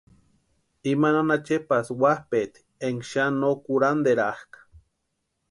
Ima nana Chepasï wapʼeeti énka xani no kurhanterakʼa.